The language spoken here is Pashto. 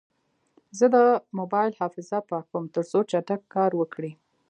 زه د موبایل حافظه پاکوم، ترڅو چټک کار وکړي.